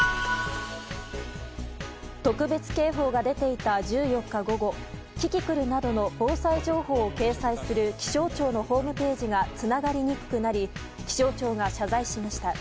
特別警報が出ていた１４日午後キキクルなどの防災情報を掲載する気象庁のホームページがつながりにくくなり気象庁が謝罪しました。